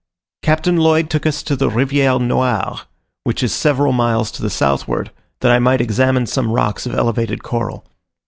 Captain Lloyd took us to the Riviere Noire, which is several miles to the southward, that I might examine some rocks of elevated coral.